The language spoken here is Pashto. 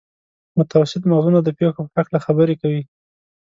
متوسط مغزونه د پېښو په هکله خبرې کوي.